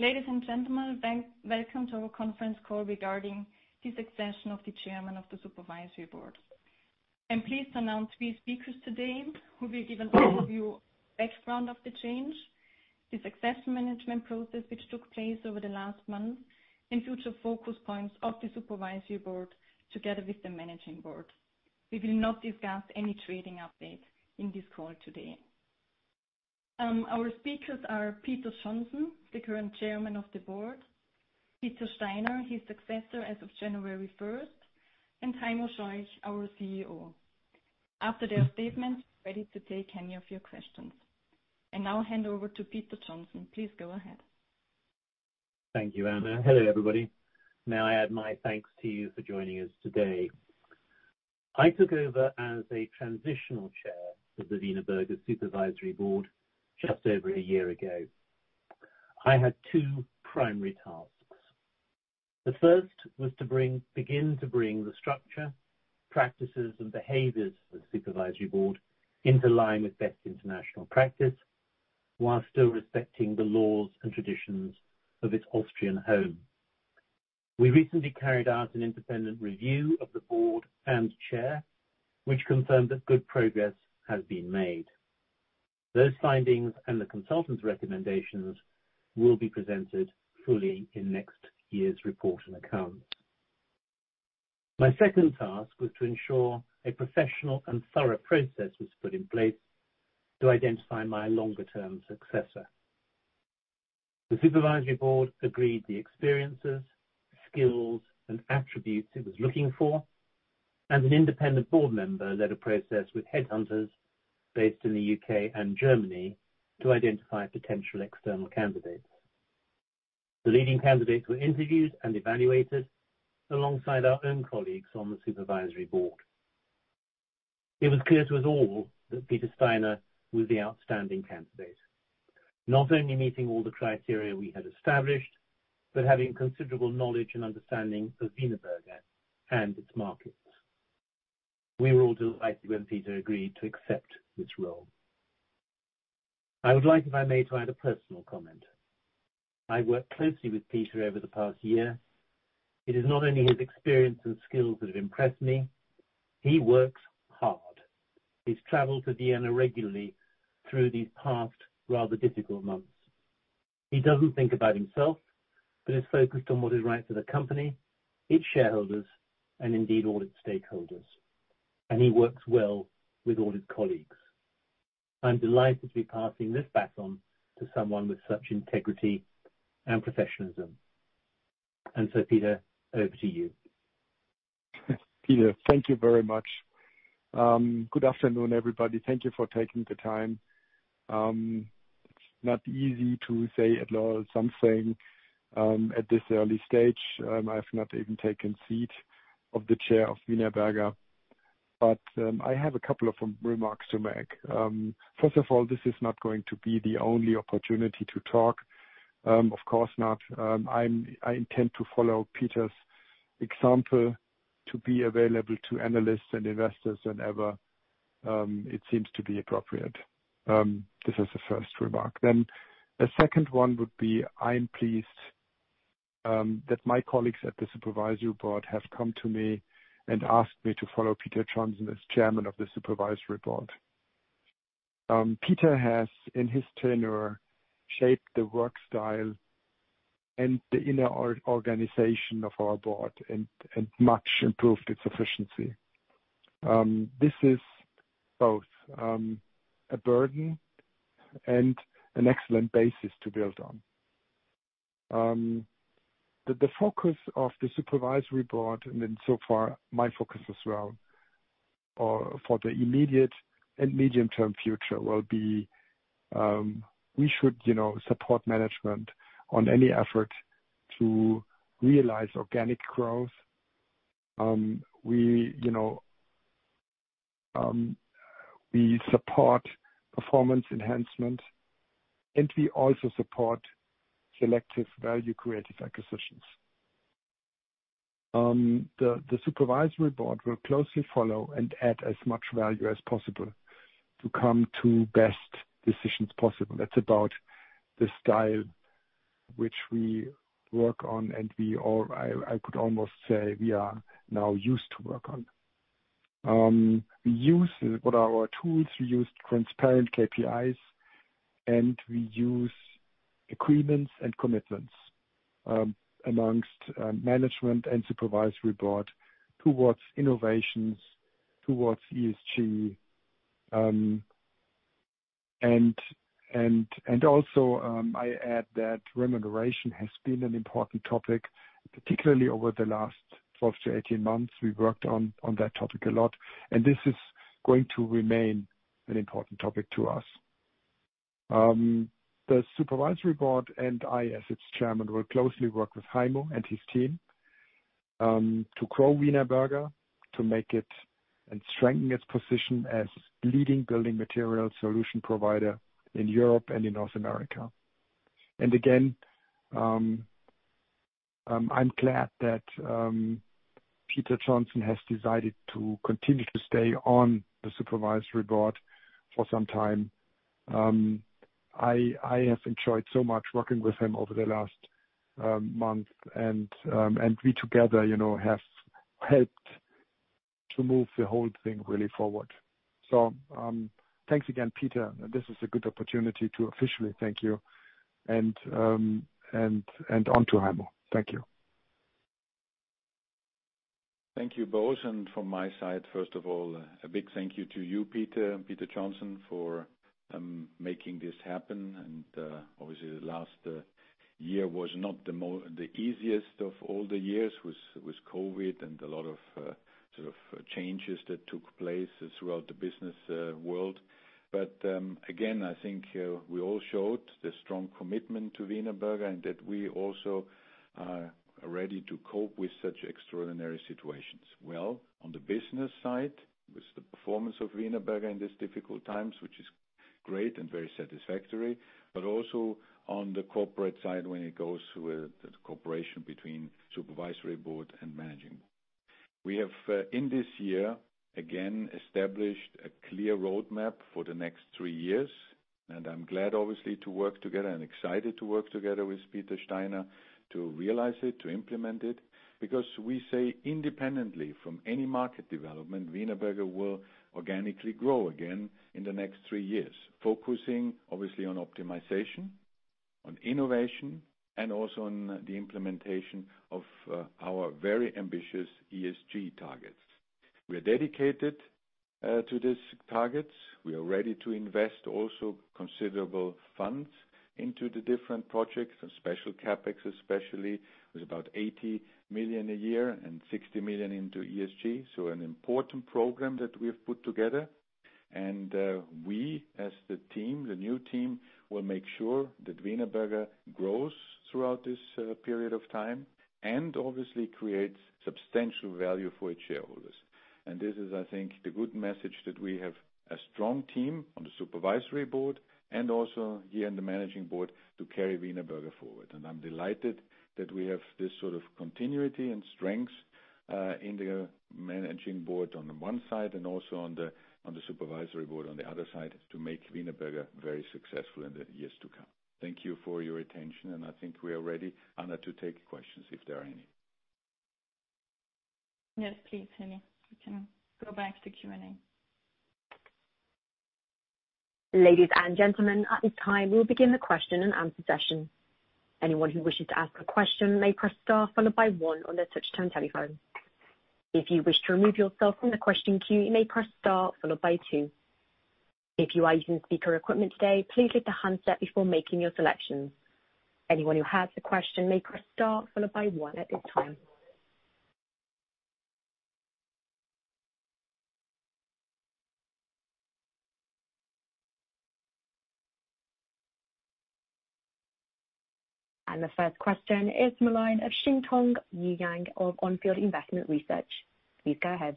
Ladies and gentlemen, welcome to our conference call regarding the succession of the Chairman of the Supervisory Board. I am pleased to announce three speakers today who will give an overview background of the change, the succession management process which took place over the last month, and future focus points of the supervisory board together with the managing board. We will not discuss any trading updates in this call today. Our speakers are Peter Johnson, the current chairman of the board, Peter Steiner, his successor as of January 1st, and Heimo Scheuch, our CEO. After their statements, we are ready to take any of your questions. Now I hand over to Peter Johnson. Please go ahead. Thank you, Anna. Hello, everybody. May I add my thanks to you for joining us today. I took over as a transitional Chair of the Wienerberger Supervisory Board just over a year ago. I had two primary tasks. The first was to begin to bring the structure, practices, and behaviors of the Supervisory Board into line with best international practice, while still respecting the laws and traditions of its Austrian home. We recently carried out an independent review of the board and chair, which confirmed that good progress has been made. Those findings and the consultant's recommendations will be presented fully in next year's report and account. My second task was to ensure a professional and thorough process was put in place to identify my longer-term successor. The supervisory board agreed the experiences, skills, and attributes it was looking for, and an independent board member led a process with headhunters based in the U.K. and Germany to identify potential external candidates. The leading candidates were interviewed and evaluated alongside our own colleagues on the supervisory board. It was clear to us all that Peter Steiner was the outstanding candidate. Not only meeting all the criteria we had established, but having considerable knowledge and understanding of Wienerberger and its markets. We were all delighted when Peter agreed to accept this role. I would like, if I may, to add a personal comment. I've worked closely with Peter over the past year. It is not only his experience and skills that have impressed me. He works hard. He's traveled to Vienna regularly through these past rather difficult months. He doesn't think about himself, but is focused on what is right for the company, its shareholders, and indeed all its stakeholders. He works well with all his colleagues. I'm delighted to be passing this baton to someone with such integrity and professionalism. Peter, over to you. Peter, thank you very much. Good afternoon, everybody. Thank you for taking the time. It's not easy to say at all something at this early stage. I've not even taken seat of the Chair of Wienerberger, but I have a couple of remarks to make. First of all, this is not going to be the only opportunity to talk. Of course not. I intend to follow Peter's example to be available to analysts and investors whenever it seems to be appropriate. This is the first remark. The second one would be, I'm pleased that my colleagues at the supervisory board have come to me and asked me to follow Peter Johnson as Chairman of the Supervisory Board. Peter has, in his tenure, shaped the work style and the inner organization of our board and much improved its efficiency. This is both a burden and an excellent basis to build on. The focus of the supervisory board, and so far my focus as well, for the immediate and medium-term future will be, we should support management on any effort to realize organic growth. We support performance enhancement, and we also support selective value-accretive acquisitions. The supervisory board will closely follow and add as much value as possible to come to best decisions possible. That's about the style which we work on, and I could almost say we are now used to work on. We use what are our tools. We use transparent KPIs, and we use agreements and commitments amongst management and supervisory board towards innovations, towards ESG. Also, I add that remuneration has been an important topic, particularly over the last 12 to 18 months. We've worked on that topic a lot, and this is going to remain an important topic to us. The Supervisory Board and I, as its Chairman, will closely work with Heimo and his team, to grow Wienerberger, to make it and strengthen its position as leading building material solution provider in Europe and in North America. Again, I'm glad that Peter Johnson has decided to continue to stay on the Supervisory Board for some time. I have enjoyed so much working with him over the last month. We together have helped to move the whole thing really forward. Thanks again, Peter. This is a good opportunity to officially thank you, and on to Heimo. Thank you. Thank you both. From my side, first of all, a big thank you to you, Peter Johnson, for making this happen. Obviously the last year was not the easiest of all the years with COVID and a lot of changes that took place throughout the business world. Again, I think we all showed the strong commitment to Wienerberger and that we also are ready to cope with such extraordinary situations. Well, on the business side, with the performance of Wienerberger in these difficult times, which is great and very satisfactory, but also on the corporate side when it goes with the cooperation between supervisory board and managing board. We have, in this year, again, established a clear roadmap for the next three years, and I'm glad obviously to work together and excited to work together with Peter Steiner to realize it, to implement it, because we say independently from any market development, Wienerberger will organically grow again in the next three years. Focusing, obviously, on optimization, on innovation, and also on the implementation of our very ambitious ESG targets. We are dedicated to these targets. We are ready to invest also considerable funds into the different projects and special CapEx especially, with about 80 million a year and 60 million into ESG. An important program that we have put together. We as the team, the new team, will make sure that Wienerberger grows throughout this period of time and obviously creates substantial value for its shareholders. This is, I think, the good message that we have a strong team on the supervisory board and also here in the managing board to carry Wienerberger forward. I'm delighted that we have this sort of continuity and strength, in the managing board on the one side and also on the supervisory board on the other side, to make Wienerberger very successful in the years to come. Thank you for your attention, and I think we are ready, Anna, to take questions if there are any. Yes, please, Jenny. You can go back to Q&A. Ladies and gentlemen, at this time, we'll begin the question and answer session. Anyone who wishes to ask a question may press star followed by one on their touchtone telephone. If you wish to remove yourself from the question queue, you may press star followed by two. If you are using speaker equipment today, please hit the handset before making your selections. Anyone who has a question may press star followed by one at this time. The first question is Xintong Ouyang of On Field Investment Research. Please go ahead.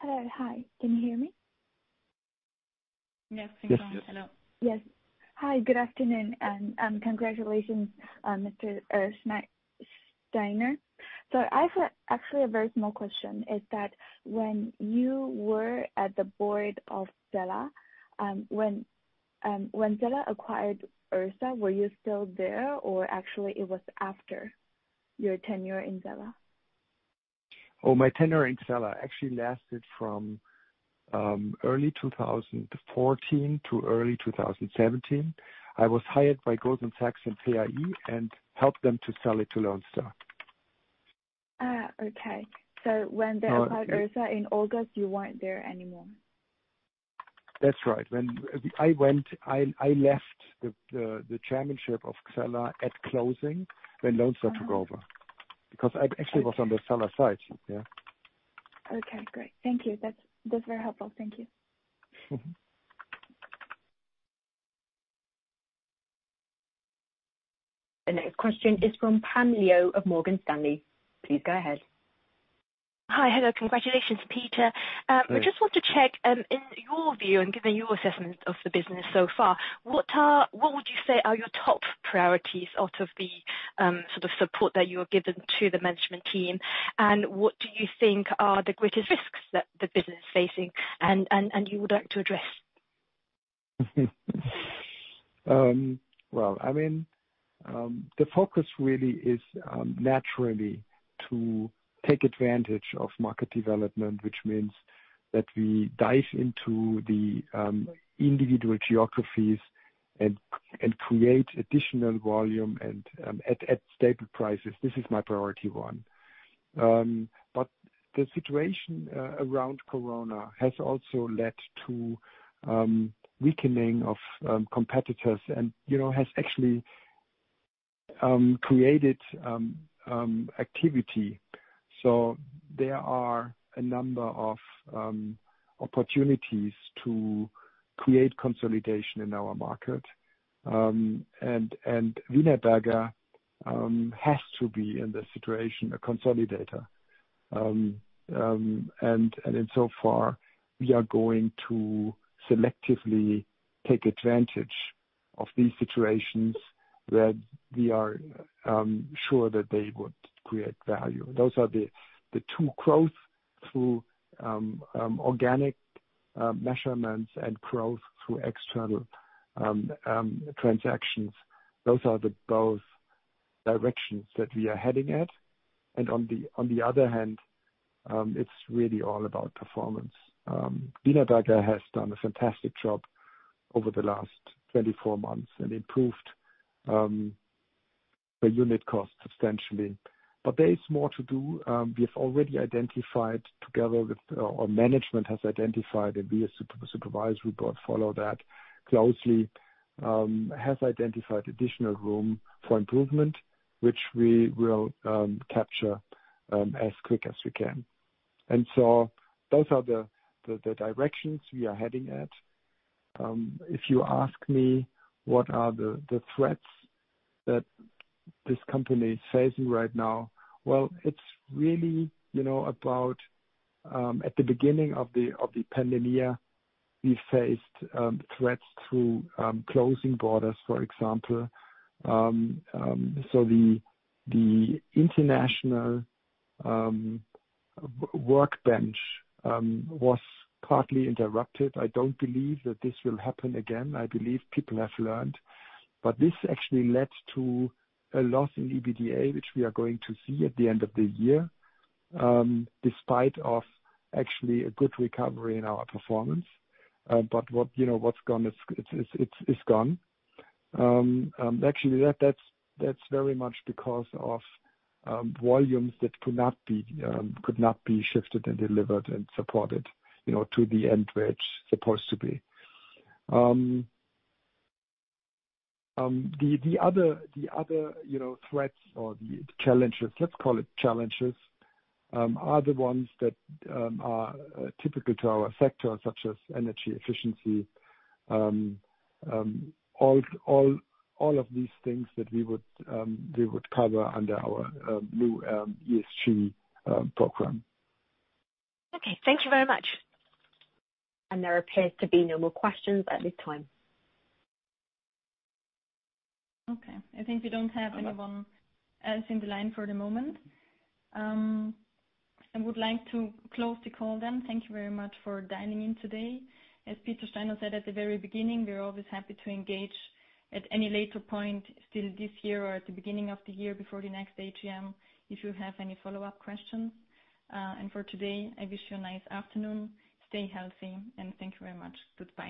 Hello. Hi, can you hear me? Yes, Xintong. Hello. Yes. Yes. Hi, good afternoon, and congratulations, Mr. Steiner. I have actually a very small question, is that when you were at the Board of Xella, when Xella acquired Ursa, were you still there, or actually it was after your tenure in Xella? Oh, my tenure in Xella actually lasted from early 2014 to early 2017. I was hired by Goldman Sachs and PAI and helped them to sell it to Lone Star. Okay. When they acquired Ursa in August, you weren't there anymore? That's right. I left the chairmanship of Xella at closing when Lone Star took over, because I actually was on the seller side, yeah. Okay, great. Thank you. That's very helpful. Thank you. The next question is from Pam Liu of Morgan Stanley. Please go ahead. Hi. Hello. Congratulations, Peter. Hi. I just want to check, in your view, and given your assessment of the business so far, what would you say are your top priorities out of the sort of support that you have given to the management team, and what do you think are the greatest risks that the business is facing and you would like to address? Well, the focus really is naturally to take advantage of market development, which means that we dive into the individual geographies and create additional volume and at stable prices. This is my priority one. The situation around Corona has also led to weakening of competitors and has actually created activity. There are a number of opportunities to create consolidation in our market. Wienerberger has to be, in this situation, a consolidator. In so far, we are going to selectively take advantage of these situations that we are sure that they would create value. Those are the two growth through organic measurements and growth through external transactions. Those are both directions that we are heading at. On the other hand, it's really all about performance. Wienerberger has done a fantastic job over the last 24 months and improved the unit cost substantially. There is more to do. We have already identified, our management has identified, and we as supervisory board follow that closely, additional room for improvement, which we will capture as quick as we can. Those are the directions we are heading at. If you ask me what are the threats that this company is facing right now? Well, it's really about at the beginning of the pandemic, we faced threats through closing borders, for example. The international workbench was partly interrupted. I don't believe that this will happen again. I believe people have learned. This actually led to a loss in EBITDA, which we are going to see at the end of the year, despite of actually a good recovery in our performance. What's gone is gone. Actually, that's very much because of volumes that could not be shifted and delivered and supported to the end where it's supposed to be. The other threats or the challenges, let's call it challenges, are the ones that are typical to our sector, such as energy efficiency. All of these things that we would cover under our new ESG program. Okay. Thank you very much. There appears to be no more questions at this time. Okay. I think we don't have anyone else in the line for the moment. I would like to close the call then. Thank you very much for dialing in today. As Peter Steiner said at the very beginning, we're always happy to engage at any later point, still this year or at the beginning of the year before the next AGM, if you have any follow-up questions. For today, I wish you a nice afternoon. Stay healthy, and thank you very much. Goodbye